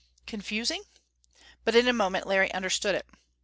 Confusing? But in a moment Larry understood it.